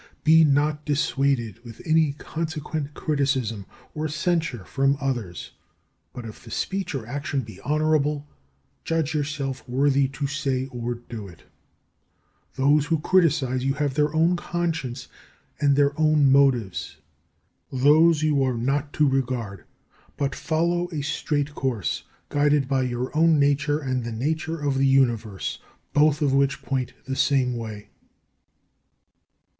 Be not dissuaded by any consequent criticism or censure from others; but, if the speech or action be honourable, judge yourself worthy to say or do it. Those who criticize you have their own conscience and their own motives. These you are not to regard, but follow a straight course, guided by your own nature and the nature of the Universe, both of which point the same way.